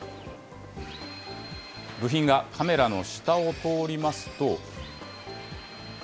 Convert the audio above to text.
部品がカメラの下を通りますと。